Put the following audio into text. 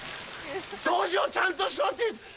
掃除をちゃんとしろって。